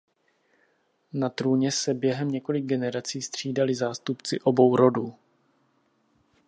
Na trůně se během několik generací střídali zástupci obou rodů.